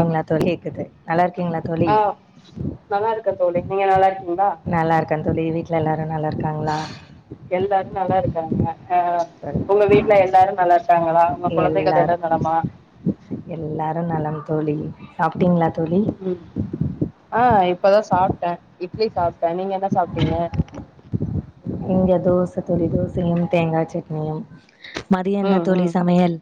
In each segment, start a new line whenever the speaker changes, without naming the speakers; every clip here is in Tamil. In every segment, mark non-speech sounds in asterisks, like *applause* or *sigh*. அ
தோளி கேக்குது நல்லா இருக்கீங்களா தோளி
ஆ நல்லா இருக்கே தோழி நீங்க நல்லா இருக்கீங்களா
நல்லா இருக்க தோழி வீட்டில எல்லாரு நல்லாருக்காங்களா
எல்லாரு நல்லா இருக்காங்க அ
தோழி
உங்க வீட்டுல எல்லாரு நல்லா இருக்காங்களா உங்க கொழந்தைகள் எல்ல
எல்லாரும்
நலமா
எல்லாரும் நலம் தோளி சாப்பிட்டீங்களா தோழி
உம் ஆ இப்பதா சாப்பிட்ட இட்லி சாப்பிட்டே நீங்க என்ன சாப்பிட்டீங்க
இங்க தோசை தோழி தோசையும் தேங்கா சட்னியும் மதிய என்ன
ம்
தோளி
ம்
சமையல்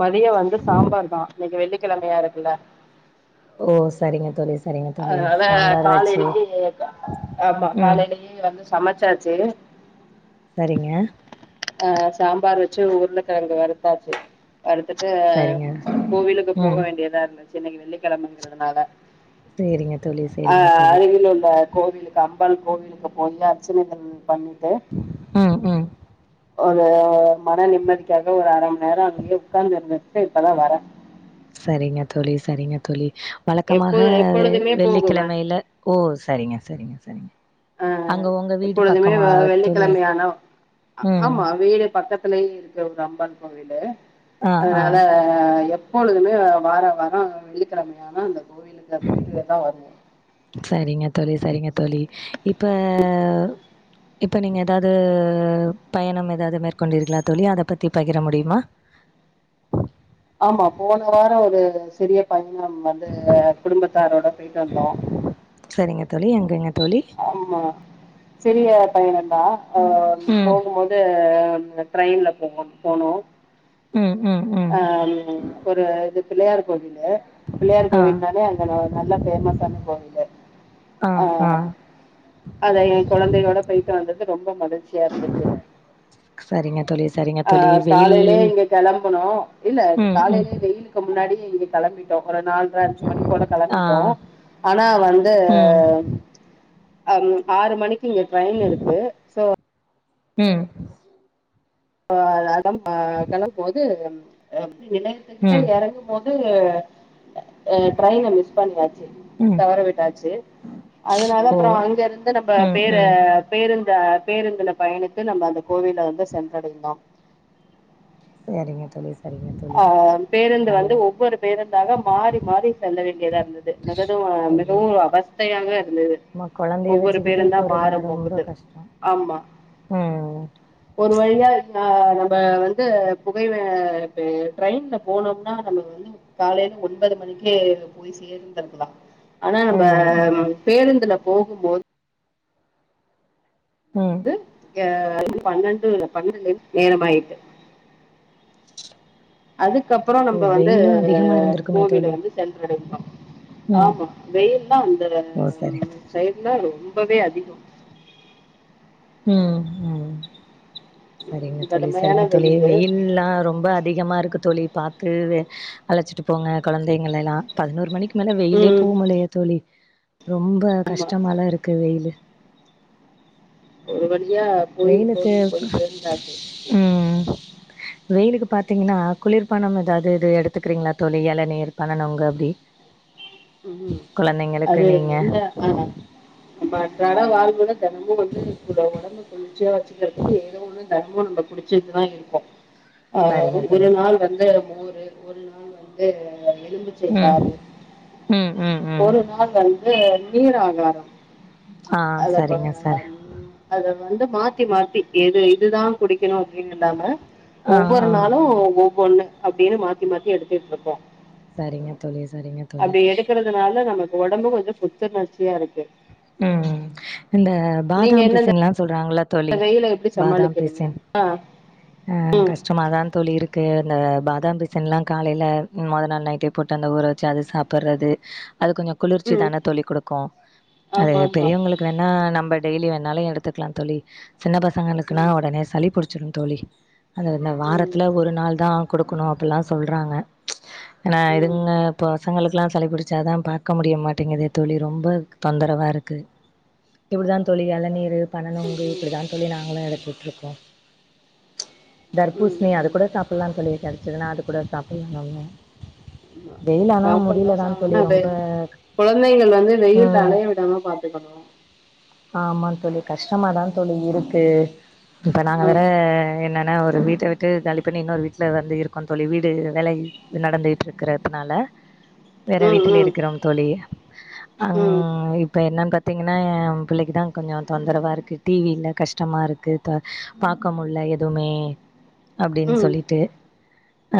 மதியம் வந்து சாம்பார் தான் இன்னைக்கு வெள்ளி கிழமையா இருக்குல்ல
ஓ சரிங்க தோழி சரிங்க தோழி
அதனால
சாம்பார் வச்சு
காலையிலேயே கம் ஆமா
ம்
காலையிலேயே வந்து சமச்சாச்சு
சரிங்க
அஹ் சாம்பார் வச்சு உருளக்கெழங்கு வறுத்தாச்சு வறுத்துட்டு
சரிங்க
கோவிலுக்குப் போக
ம்
வேண்டியதா இருந்தது இன்னக்கி வெள்ளிக்கெழமைங்கிறதுனால
சரிங்க தோழி சரிங்க
அஹ்
தோழி
அருகில் உள்ள கோவிலுக்கா அம்மன் கோவிலுக்கு போய் அர்ச்சனைகள் பண்ணி
உஹம் உஹம்
ஒரு மன நிம்மதிக்காக ஒரு அர மண்ணேரம் அதுலயே உட்கார்ந்து இருந்துச்சிட்டு இப்பதான் வரேன்
சரிங்க தோழி சரிங்க தோழி
எப்போ
வழக்கமாக வெ
எப்பொழுதுமே போகுவேன்
வெள்ளிக்கிழமையில ஓ சரிங்க சரிங்க சரிங்க அங்க
அஹ்
உங்க வீடு
எப்பொழுதுமே
பக்கமா
வெ
தோழி? அஸ்
வெள்ளிக்கிழமையான
ம்.
ஆமா வீடு பக்கத்து த்துலயே இருக்கு ஒரு அம்பன் கோவிலு
ஆ, ஆ.
அதனாலே எப் பொழுதுமே வாரா வாரோ வெள்ளிக்கிழமையான அந்த கோவிலுக்குள்ள போயிட்டுதான் வருவே
சரிங்க தோழி சரிங்க தோழி இப் ப இப்ப நீங்க ஏதாவது பயணம் ஏதாவது மேற்கொண்டீர்களா தோழி அத பத்திப் பகிர முடியுமா
ஆமா போன வாரம் ஒரு சிறிய பயண ம் வந்து குடும்பத்தாரோட போயிட்டு வந்தோ
ங்க தோழி
சிறிய பயண ந்தா அஹ்
ம்.
போகும்போது ட்ரெயின்ல போம்போ போனோம்
உம்
ஆஹ் ம் ஒரு இது பிள்ளயார் கோயில் க்கு பிள்ளையார்
ஆ,
கோவில்னாலே அங்க நல்ல ஃபேமஸான கோவிலு
ஆ, ஆ.
ஆஹ் அத ஏன் கொழந்தைையோட போயிட்டு வந்தது ரொம்ப மகிழ்ச்சியா இருந்துச்சு
சரிங்க தோழி, சரிங்க தோழி.
ஆஹ்
வெயில்
காலையிலயே இங்க கெளம்பனும் இல்ல
ம், ம்.
காலையிலயே வெய்யிலுக்கு முன்னாடி நீங்க கெளம்பி ட்டோ ஒரு நால்ர அஞ்சு மணி போல
ஆ,
கெளம்பிட்டோ ஆனா வந்து
ம்.
அம் ஆறு மணிக் இங்க ட்ரெயின் இருக்கு சோ
ம்
அ அதாத் *unintelligible* கெளம்போது ஏம் நிலயத்து கிட்ட
ம்
எறங்கு போது து அ டிரெய்ன மிஸ் பண்ணியாச்சு
ம்
தவற விட்டாச்சு அதனால
ஓ
அப்பறோ அங்க இருந்து நம்ம
ம்
பேர
ம்
பேருந் த பேருந்துல பயணித்து நம்ப அந்த கோவில்ல வந்து சென் கடைந்தாம்
சேரிங்க தோழி சரிங்க தோழி
ஆ பேருந்து
நல்ல
வந்து ஒவ்வொரு பேருந்தாக மாரி மாரி செல்ல வேண்டியதா இருந்தது மிததவு
ஐயோ
மிகவும் அவஸ்தையாக இருந்தது
நம்ம கொழந்தைய
ஒவ்வொரு
வச்சுக்கிட்டு
பேருந்தா
போறதுனா ரொம்ப
மாறும்போது
கஷ்டோ
ஆமா
ம்
ஒரு வழியா நாங்க இப்ப வந்து புகைல இப்ப ட்ரெயின்ல போனோம்னா நம்ம வந்து காலேயில ஒன்பது மணிக்கே போய் சேந்தர்க்லா அனா நம்ப ம் பேருந்துல போகும்போது
ம்
க்கு எ அதுக்கு பன்னண்டு பன்னண்டு நேரமாயிட்டு அதுக்கப்புறம்
ஓ
நம்ம வந்து
வெயிலு அதிகமா இருந்திருக்குமே
கோவில
தோழி
வந்து சென்றடைக்கிறோம்
ம்
ஆமா வெயில்லா அந்த
ஓ சரி
ம் சைட் ரொம்பவே அதிகோ
ம் ம் சரிங்க
உம்
தோழி
கடுமையான
சரிங்க தோழி
வெயில்
வெயில்லா ரொம்ப அதிகமாருக்கு தோழி பாத்து தெர்ருது அழைச்சிட்டு போங்க கொழந்தைங்கலெல்லா பதினோரு மணிக்கு மேல வெயிலே
ம்
போமுல்லேயே தோழி ரொம்ப கஷ்டமாலாம் இருக்கு வெயிலு
ஒருவழி யா போய்
வெயிலுக்கு
கோவில் போய் சேர்ந்தாச்சு
ம் வெயிலுக்கு பாத்தீங்ன்னா குளிர்பணம் ஏதாவது இது எடுத்துக்குறீங்ளா தோழி எளநீர் பனனொங்கு அப்டி
ம்
குழந்தைங்களுக்கு
அது
நீங்க
என்ன ஆ நம்ப அன்றாட வாழ்வுல தெனமும் வந்து ஒட ஒடம்ப குளிர்ச்சியா வச்சிக்கிறதுக்கு ஏதோ ஒன்னு தெனமும் நம்ம குடிச்சுக்கிட்டு தா இருக்கோ ஆ
சரிங்க தோழி
ஒரு நாள் வந்து மோரு ஒரு நாள் வந்து எலுமிச்சை
ம்
சாறு
ம் ம் ம்
ஒரு நாள் வந்து து நீர் ஆகாரம்
ஆஹ்
அதை
செரிங்க சார்
அதை வந்து மாத்தி மாத்தி எது இதுதா குடிக்கணு அப்டின்னு இல்லாம
ஆ
ஒவ்வொரு
ஆ
நாளு ஒவ்வொ பொண்ணு அப்படின்னு மாத்தி மாத்தி எடுத்துட்டு இருப்போ
சரிங்க தோழி சரிங்க தோழி
எடுக்கிறதுனால நமக்கு உடம்பு கொஞ்சோ புத்துணர்ச்சியா இருக்கு
உம் இந்த
நீங்கள்
பாதாம்
என்ன
பிசின் எல்லா சொல்றாங்கல்ல
இந்த
தோழி
வெயிலை எப்படி
பாதாம்
சமாளிக்கிறீங்க
பிசின்
ஆ
ம் கஷ்டமாதான் தோழி இருக்கு இது அந்த பாதாம் பிசின்லா காலைல மொத நாள் நைட்டே போட்டு அந்த ஊற வெச்சு அது சாப்பிடுறது அது கொஞ்சோ குளிர்ச்சி
ம்
தான தோழி குடுக்கு அது
ஆமாம் ஆமாம்
பெரியவங்களுக்கு வேணா நம்ப டெய்லி வேணாலு எடுத்துக்கலா தோழி சின்ன பசங்களுக்குனா
ம்
உடனே சளி புடிச் சிருந் தோழி அந்த அந்த
ம்
வாரத்துல ஒரு நாள் தா குடுக்கணு அப்டியெல்லா சொல்றாங்க ப்ச் ஆனா
ம்
இதுங்க இப்ப பசங்களுக்கு இப்பெல்லா சளி பிடிச்சாதா பாக்க முடிய மாட்டேங்குதே தோழி ரொம்ப தொந்த ரவா இருக்கு இப்படிதான் தோழி இளநீரு பன நொங்கு
ம்
இப்டிதான் தோழி நாங்களு எடு போட்டு இருக்கோ
ம் ம்
தர்பூசணி அது
ம்
கூட சாப்டலாம் தோழி கிடச்சுதுனா அது கூட சாப்பிடலா அவுங்க
சாப்பில்லா சா
தோழி
ஆனா வெ
ரொம்ப
குழந்தைங்கள் வந்து வெயில்ல அலைய விடாம பாத்துக்கணு
ஆமாந் தோழி கஷ்டமாதான் தோழி இருக்கு இப்ப நாங்க வேற
ம்
என்னன்னா ஒரு அ வீட்ட விட்டு காலி பண்ணி இன்னொரு வீட்ல வந்து இருக்கோ தோழி வீடு வேலை ம் நடந்துகிட்ருக்கிறதுனால வேற
ம்
வீட்டுல
ம்
இருக்குறோம் தோழி
ம்
அங் இப் என்னான் பாத்தீங்கன்னா என் பிள்ளைக்குதான் கொஞ்சம் தொந்தரவா இருக்கு டி வி இல்ல கஷ்டமாருக்கு தா பாக்க முட்ல எதுவுமே
ம்
அப்டின்
ம்
சொல்லிட்டு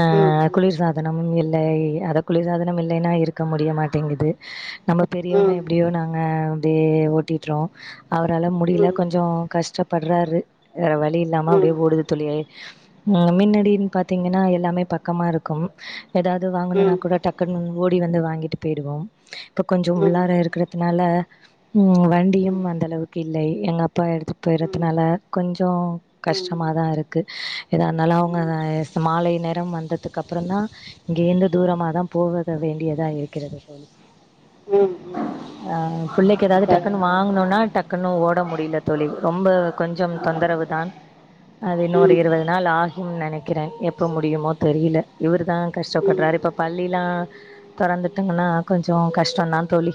அ
ம் ம் ம் ம் ம் ம் ம் ம்
குளிர் சாதனமும் இல் டை அத குளிர்சாதனம் இல்லைன்னா இருக்க முடிய மாட்டேங்கிது நம்ம பெரியவங்க எப்டியோனா அ அப்டே ஓட்டிட்றோ அவரால முடிய்ல கொஞ்சோ கஷ்ட்டபட்றாரு அ வலி இல்லாம அப்டே ஓடுது தோழி அய் மின்னடின் பாத்தீங்கனா எல்லாமே பக்கமா இருக்கும் எதாது வாங்கணுனா கூட டக் கன்னும் ஓடி வந்து வாங்கிட்டு பெய்டுவோ இப்ப கொஞ்சு உள்ளார
ம்
இருக்குற னல ம் வண்டியும் அந்த அளவுக்கு இல்லை எங்க அப்பா எடுத்து போய்றதுனால கொஞ்சோ
ம்
கஷ்டமாதா இருக்கு எதா இர்ந்தாலு அவுங்க மாலை நேரம் வந்ததுக் அப்புறந்தா இங்கேந்து தூரமாதா போவத வேண்டியதா இருக்கிறது தோழி
ம் ம்
அஅ புள்ளைக்கி எதாவ்து
இப்ப
டக்குனு வாங்ணுனா டக்குன்னு ஓட முடில தோழி ரொம்ப கொஞ்சம்
ஆமா
தொந்தரவு தான் அது இன்ன ஒரு
ம்
இருவது நாள் ஆகிம் நெனக்கிற எப்ப முடியுமோ தெரியில இவுருதா
ம் ம்
கஷ்ட்டப்படுறாரு இப்ப பள்ளிலா தொறந்துட்டங்னா கொஞ்சொ கஷ்ட்டந்தா தோழி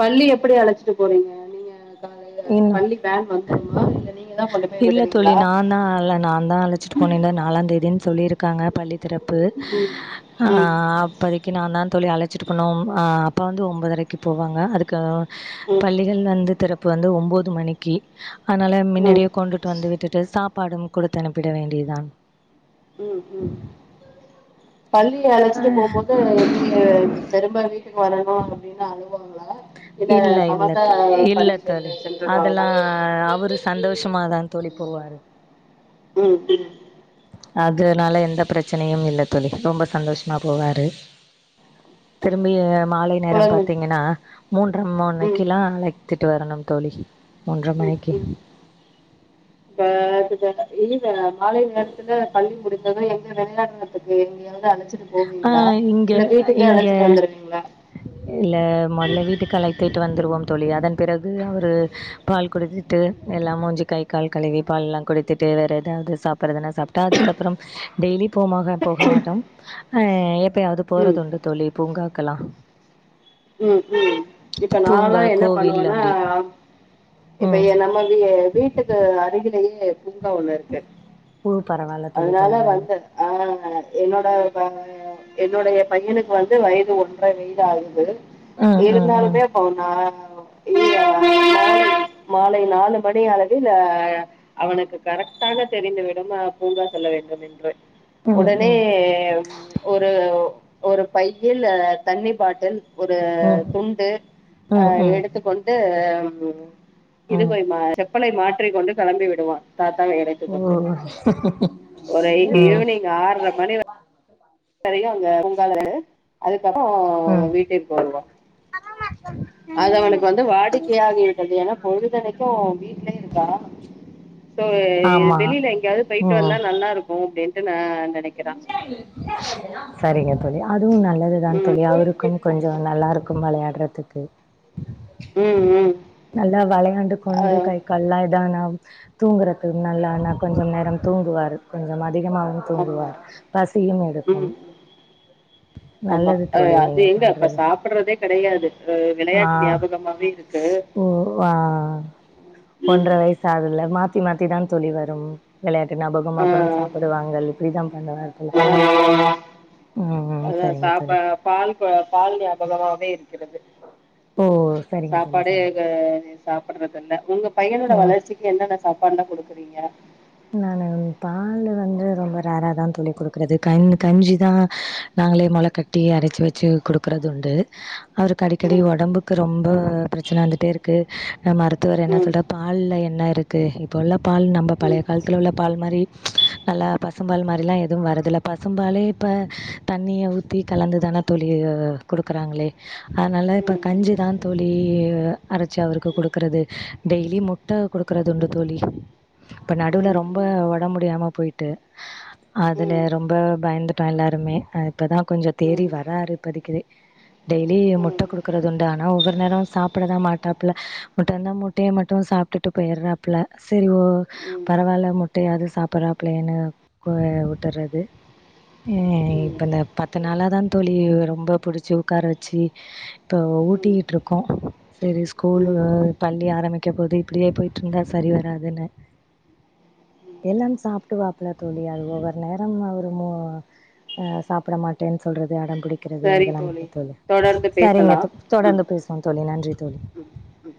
பள்ளி எப்படி அழச்சிட்டு போறீங்க நீங்க காலையில
ன்னா
பள்ளி வேன் வந்துருமா இல்ல நீங்க தான் கொண்டு போய்
இல்ல தோழி
விடுவீங்களா
நாந்தா அல்ல நாந்தா அழச்சிட்டு போனு இந்த நாலாந்தேதின் சொல்லிருக்காங்க பள்ளி திறப்பு
ம்
ஆ
ம்
அப்பதிக் கி நாந்தா தோழி அழச்சிட்டு பொனு அ அப்ப வந்து ஒன்பதரைக்கு போவாங்க அதுக்க
ம்
பள்ளிகள் வந்து திறப் பு வந்து ஒம்போது மணிக்கி அத்னால
ம்
மின்னடியே கொண்டுட்டு வந்து விட்டுட்டு சாப்பாடும் குடுத்து அனுப்பிட வேண்டியதுதா
ம் ம் பள்ளி அழச்சிட்டு போம்போது எப்புடி அ தெரும்ப வீட்டுக் வரணு அப்டின்னு அழு
இல்ல இல்ல்த்த இல்ல
பள்ளி சென்று
தோழி
சென்றுடுவாங்களா
அதல்லா அவுரு சந்தோஷ் டமாதா தோழி போவாரு
ம்
அதுனால எந்த ப்ரச்சனையுமம் இல்ல தோழி ரொம்ப சந்தோஷமா போவாரு திரும்பி மாலை நேரம்
குழந்தை
பாத்தீங்கனா மூன்ற
ம்
மொனைக்கிலா அழைத்திட்டு வரணும் தோழி மூன்ற மணிக்கி
த அதுக்கான இல்லித மாலை நேரத்துல பள்ளி முடிந்தது எங்க வெளையாட்றதுக்கு எங்கயாவ்து அழச்
அ இங்க இங்க
வந்துருவீங்களா
இல்ல மொதல்ல வீட்டுக்கு அலைத்திட்டு வந்துருவோம் தோழி அதன் பிறகு அவுரு பால் குடிச்சிட்டு எல்லா மூஞ்சி கை கால் கழுவி பால்லா குடித்திட்டு வேற எதாவ்து சாப்புற்றதுனா சாப்ட்டு அதுக்கப்புறம் டெய்லி போமாக போக மாட்டான் ஹ எப் பெயாது
ம்
போறதுண்டு தோழி பூங்காக்கலா
உம் உம் இப்ப நாலாம் என்ன
கோவில்
பண்ணுவன்னா
அப்டி. ம்.
இப்பையே நம்ம வீ வீட்டுக்கு அருகிலி யே பூங்கா ஒண்ணு இருக்கு
ஓ! பரவால்ல தோழி,
அதனால
பரவால்ல.
வந்து ஆஹ் என்னோட என்னுடைய பையனுக்கு வந்து வயது ஒன்றரை வயது ஆகுது
ம்,
ஏழு
ம்,
நாள்ல
ம்.
பே பவுனா *inaudible* மாலை நாலு மணி அளவில் அவனுக்கு கரெக்டாக தெரிந்து விடும் பூங்கா செல்ல வேண்டும் என்று
ம்,
உடனே
ம்.
ஒரு ஒரு பையில் தண்ணி பாட்டில் ஒரு அ
ம்
துண்டுஹ
ம் ம்
எடுத்துக்கொண்டு ஆ இது
ம்
போயமா சப்பளை மாற்றிக் கொண்டு கிளம்பி விடுவான் த்தான் இடைத்து
ஓ
கொண்டேன் ஒரு
ம்
ஈவினிங் ஆறரை மணி வரை நெறைய அங்க பொங்கால அதுக்கு அதுக்கப்புறம் வீட்டிற்கு வருவான்
உ
அது அவனுக்கு வந்து வாடிக்கையாகி விட்டது ஏன்னா பொழுதணக்கும் வீட்லயே இருக்கா சோ
ஆமா
வெளியில எங்கேயாவது போயிட்டு வந்தா
ம்
நல்லா இருக்கும் அப்டி ன்டு நா
சரிங்க தோழி அதுவும் நல்லது தான்
ம்
தோழி அவருக்கும் கொஞ்சம் நல்லா இருக்கும் விளையாடுறதுக்கு
ம் ம்
நல்லா விளையாண்டு கொண்டு
அ-
கை கல்லாதானா தூங்குறதுக்கு நல்லானா கொஞ்சம் நேரம் தூங்குவாார் கொஞ்சம் அதிகமா
ஆமா
தூங்குவார் பசியும்
ம்
எடுக்கும்
ஆமா
நல்லது தோழி
ஆஹ் அது எங்க அப்ப சாப்பிடுறதே கிடையாது அஹ் விளையாட்டு
ஆஹ்
ஞாபகமாவே இருக்கு
ஓ ஆஹ் ஒன்றரை வயசு ஆகுதுல மா த்தி மாத்தி தான் தோழி வரும் விளையாட்டு ஞாபகம் அப்புறம்
அஹ்
சாப்படுவாங்க இப்படிதான் தது *unintelligible* ப்பு உம்
அதா சாப்பா பால்கொ பால் ஞாபகமாவே கிறது
ஓ சரிங்க தோழி
சாப்பாடு
சரிங்க
க
தோழி.
சாப்புட்றது இல்ல உங்க பையனோட
ம்
வளர்ச்சிக்கு என்னன்ன சாப்பாட்லா குடுக் செரிங்க
நானு பாலு வந்து ரொம்ப ரேராதா தோழி குடுக்குறது கண் கஞ்சிதா நாங்களே மொள கட்டி அரச்சு வச்சு குடுக்குறது உண்டு அவருக்கு அடிக்கடி
ம்
ஒடம்புக்கு ரொம்ப ப்ரச்சன வந்துட்டேருக்கு அ மருத்துவர் என்ன
ம்
சொல்றா பால்ல என்ன இருக் தே இப்போல்லா பால் நம்ப பழை
ம்
த பால் மாரி நல்லா பசும்பால் மாரிலா எதுவு வரதுல்ல பசும்பாலே இப்ப தண்ணிய ஊத்தி கலந்துதான தோழி குடுக்குறாங்ளே அதனால இப்ப
ம்
கஞ்சிதா தோழி வ அரச்சி அவருக்கு குடுக்குறது டெய்லி முட்ட குடுக்குறதுண்டு தோழி இப்ப நடுவுல
ம்
ரொம்ப
ம்
உடம் முடியாம போயிட்டு அதுல
ம்
ரொம்ப பயந்துட்டோ எல்லாருமே இப்பதா கொஞ்சொ
ம்
தேறி
ம்
வராரு இப்பதிக்கிது டெய்லி முட்ட குடுக்குறதுண்டு ஆனா ஒவ்வொரு நேரமு சாப்புடதா மாட்டாப்ல பட் அனா முட்டய மட்டு சாப்ட்டுட்டு போயறாப்புல செரி ஓ பரவால்ல முட்டையாது சாப்புற்றாப்ளையேனு கோ உட்டற்றது எ
ம் ம்
இப்ப இந்த பத்து நாளா தா தோழி ரொம்ப புடுச்சி உக்கார வச்சி ப்ப ஊட்டிகிட்ருக்கோ செரி ஸ்கூலு
ம் ம்
பள்ளி ஆரமிக்க போது இப்புடியே போயிட்ருந்தா சரி வராதுனு எல்லாம் சாப்ட்டுவாப்ல தோழி அது ஒவ்வொரு நேரம் அவுரு மு அ சாப்புட மாட்டேன் சொல்றது அடம் பிடிக்கிறது
சரி
அதலாம்
தோழி
உண்டு தோலு
தொடர்ந்து பேசலாம்
சரிங்கத்து
ம்
தொடர்ந்து பேஸ்வோம் தோழி நன்றி தோழி
ம் ம்